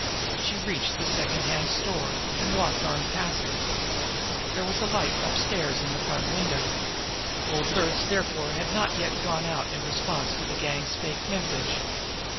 She reached the secondhand store and walked on past it. There was a light upstairs in the front window. Old Luertz therefore had not yet gone out in response to the gang's fake message.